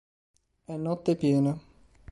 È notte piena.